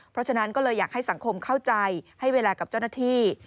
เพราะฉะนั้นก็เลยอยากให้สังคมเข้าใจให้เวลากับเจ้าหน้าที่